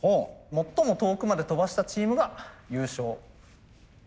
最も遠くまで飛ばしたチームが優勝。